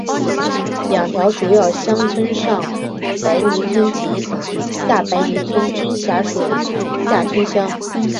两条主要乡村上白泥村及下白泥村均辖属厦村乡。